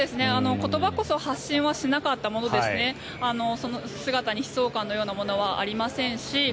言葉こそ発信はしなかったもののその姿に悲壮感のようなものはありませんし